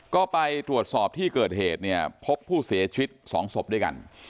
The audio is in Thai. ก็ไปตรวจสอบที่เกิดเหตุเนี่ยพบผู้เสียชีวิต๒ศพด้วยกัน